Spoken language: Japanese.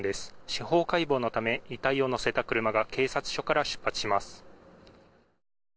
司法解剖のため遺体を乗せた車が警察署から出発します。